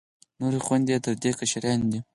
نورې خویندې یې تر دې کشرانې دي.